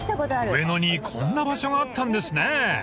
［上野にこんな場所があったんですね］